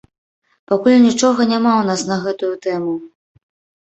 Пакуль нічога няма ў нас на гэтую тэму.